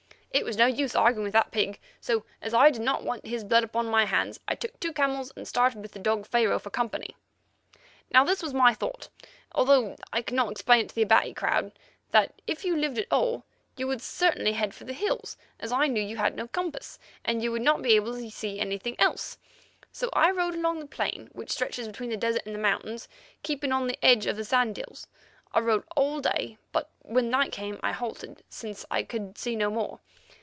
It was no use arguing with the pig, so, as I did not want his blood upon my hands, I took two camels and started with the dog Pharaoh for company. "Now this was my thought, although I could not explain it to the Abati crowd, that if you lived at all, you would almost certainly head for the hills as I knew you had no compass, and you would not be able to see anything else. So I rode along the plain which stretches between the desert and the mountains, keeping on the edge of the sand hills. I rode all day, but when night came I halted, since I could see no more.